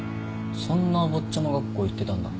そんなお坊ちゃま学校行ってたんだ。